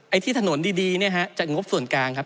ที่ถนนดีเนี่ยฮะจัดงบส่วนกลางครับ